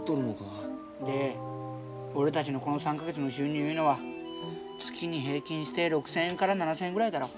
で俺たちのこの３か月の収入いうのは月に平均して６，０００円から７，０００円ぐらいだろ。